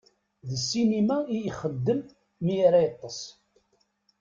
D ssinima i ixeddem mi ara yeṭṭes.